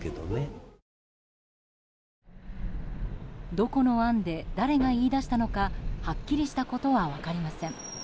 どこの案で誰が言い出したのかはっきりしたことは分かりません。